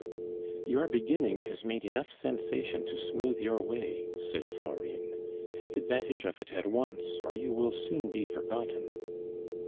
"Your beginning has made enough sensation to smooth your way," said Florine; "take advantage of it at once, or you will soon be forgotten."